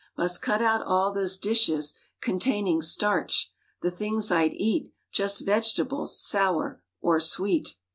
Must cut out all those dishes Containing starch. The things I'd eat— Just vegetables, sour or sweet.